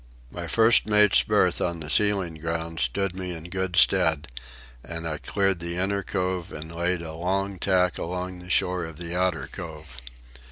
My first mate's berth on the sealing grounds stood me in good stead, and I cleared the inner cove and laid a long tack along the shore of the outer cove.